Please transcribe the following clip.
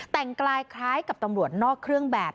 แต่งกายคล้ายกับตำรวจนอกเครื่องแบบ